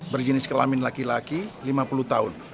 berjenis kelamin laki laki lima puluh tahun